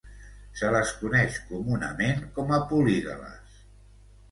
Se les coneix comunament com a polígales.